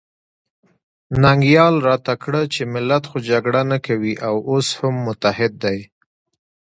ننګیال راته کړه چې ملت خو جګړه نه کوي او اوس هم متحد دی.